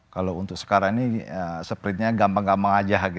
kalau untuk sekarang ini sprintnya gampang gampang aja